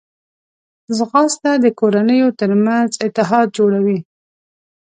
ځغاسته د کورنیو ترمنځ اتحاد جوړوي